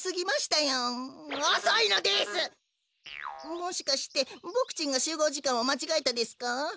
もしかしてボクちんがしゅうごうじかんをまちがえたですか？